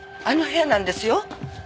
あの部屋なんですよ。